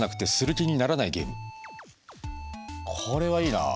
これはいいなあ。